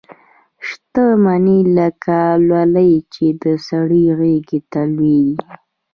شته مني لکه لولۍ چي د سړي غیږي ته لویږي